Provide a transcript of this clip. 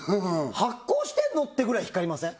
発光してんの？ってぐらい光りません？